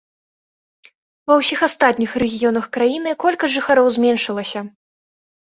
Ва ўсіх астатніх рэгіёнах краіны колькасць жыхароў зменшылася.